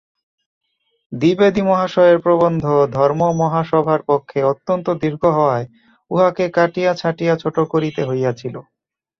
দ্বিবেদী মহাশয়ের প্রবন্ধ ধর্মমহাসভার পক্ষে অত্যন্ত দীর্ঘ হওয়ায় উহাকে কাটিয়া ছাঁটিয়া ছোট করিতে হইয়াছিল।